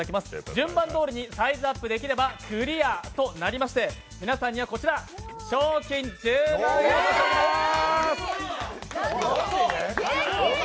順番通りにサイズアップできればクリアとなりまして皆さんにはこちら、賞金１０万円を差し上げます。